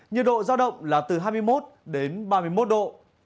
nhiệt độ giao động là từ hai mươi một đến ba mươi một độ